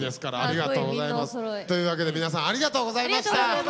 というわけで皆さんありがとうございました。